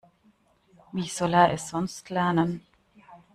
Wie soll er es sonst lernen?